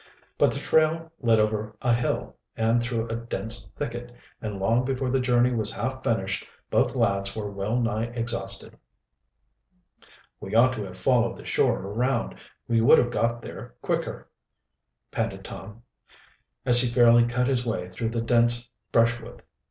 But the trail led over a hill and through a dense thicket, and long before the journey was half finished both lads were well nigh exhausted. "We ought to have followed the shore around we would have got there quicker," panted Tom, as he fairly cut his way through the dense brush wood.